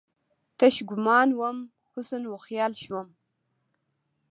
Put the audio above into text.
تش ګومان وم، حسن وخیال شوم